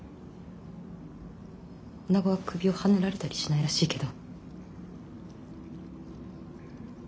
女子は首をはねられたりしないらしいけど。